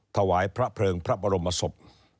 ถวายพระเพลิงพระบรมศพ